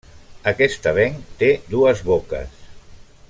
Aquest avenc té dues boques.